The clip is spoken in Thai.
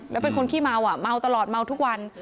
แล้วเป็นคนขี้เมาอ่ะเมาเมาตลอดเมาทุกวัน